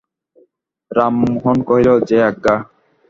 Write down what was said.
রামমোহন কহিল, যে আজ্ঞা।